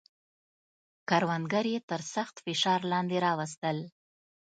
کروندګر یې تر سخت فشار لاندې راوستل.